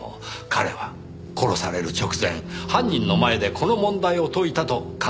彼は殺される直前犯人の前でこの問題を解いたと考えられます。